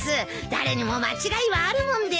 誰にも間違いはあるもんです。